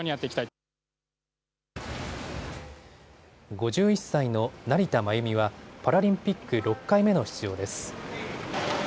５１歳の成田真由美はパラリンピック６回目の出場です。